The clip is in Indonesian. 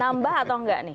nambah atau nggak nih